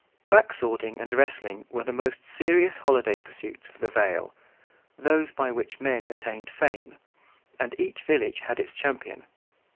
Back swording and wrestling were the most serious holiday pursuits of the Vale those by which men attained fame and each village had its champion.